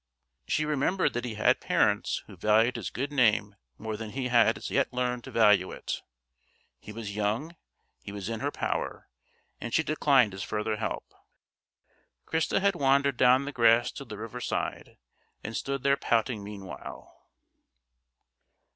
She remembered that he had parents who valued his good name more than he had as yet learned to value it. He was young; he was in her power; and she declined his further help. Christa had wandered down the grass to the river side and stood there pouting meanwhile.